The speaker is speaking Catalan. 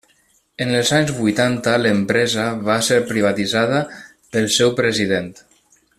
En els anys vuitanta l'empresa va ser privatitzada pel seu president.